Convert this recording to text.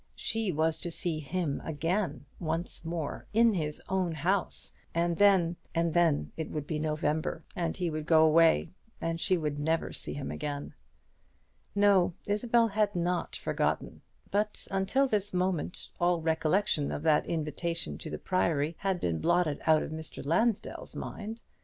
She was to see him again, once more, in his own house, and then and then it would be November, and he would go away, and she would never see him again. No, Isabel had not forgotten; but until this moment all recollection of that invitation to the Priory had been blotted out of Mr. Lansdell's mind.